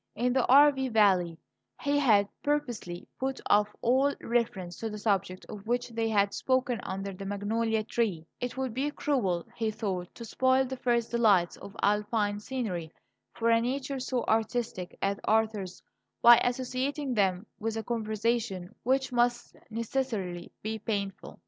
In the Arve valley he had purposely put off all reference to the subject of which they had spoken under the magnolia tree; it would be cruel, he thought, to spoil the first delights of Alpine scenery for a nature so artistic as Arthur's by associating them with a conversation which must necessarily be painful.